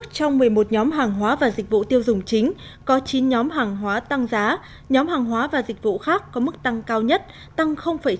trong một mươi một nhóm hàng hóa và dịch vụ tiêu dùng chính có chín nhóm hàng hóa tăng giá nhóm hàng hóa và dịch vụ khác có mức tăng cao nhất tăng chín